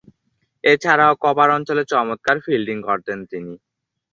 এছাড়াও, কভার অঞ্চলে চমৎকার ফিল্ডিং করতেন তিনি।